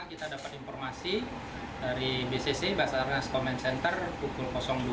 kita dapat informasi dari bcc basarnas command center pukul dua dua puluh lima